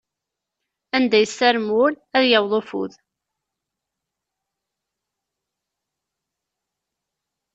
Anda yessarem wul, ad yaweḍ ufud.